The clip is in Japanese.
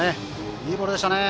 いいボールでしたね。